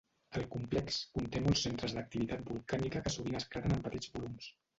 El complex conté molts centres d'activitat volcànica que sovint esclaten en petits volums.